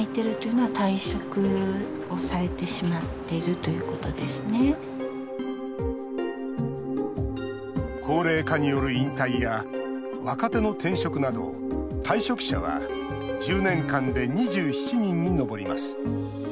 ところが高齢化による引退や若手の転職など退職者は１０年間で２７人に上ります。